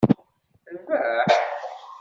Terbeḥ?